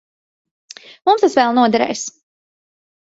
Mums tas vēl noderēs.